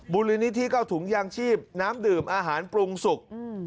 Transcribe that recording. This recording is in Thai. มูลนิธิก็เอาถุงยางชีพน้ำดื่มอาหารปรุงสุก